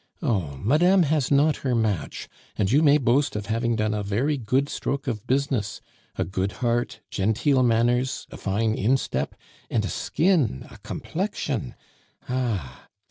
Oh! madame has not her match, and you may boast of having done a very good stroke of business: a good heart, genteel manners, a fine instep and a skin, a complexion! Ah!